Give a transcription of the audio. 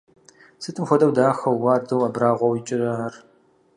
Сытым хуэдэу дахэу, уардэу, абрагъуэу кӀырэ ар!